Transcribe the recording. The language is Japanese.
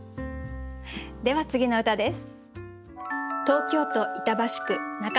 では次の歌です。